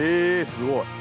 すごい。